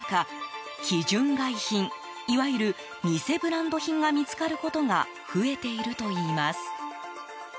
買い取り依頼が急増する中基準外品いわゆる偽ブランド品が見つかることが増えているといいます。